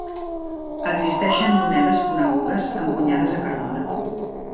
Existeixen monedes conegudes encunyades a Cardona.